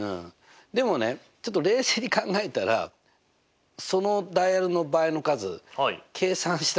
でもねちょっと冷静に考えたらそのダイヤルの場合の数計算しなくても出ると思いません？